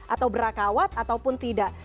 atau bra kawat ataupun tidak